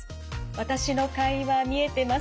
私の会話見えてますか？